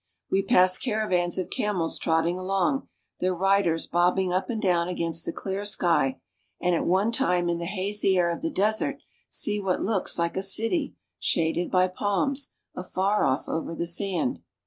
A TRIP THROUGH THE SUEZ CANAL 113 We pass caravans of camels trotting along, their riders bobbing up and down against the clear sky, and at one time in tiie hazy air of the desert see what looks like a city, shaded by palms, afar off over the sand.